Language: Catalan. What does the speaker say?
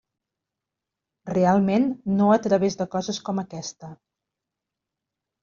Realment, no a través de coses com aquesta.